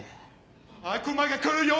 悪魔が来るよ！